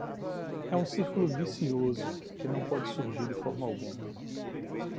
É um círculo vicioso que não pode surgir de forma alguma.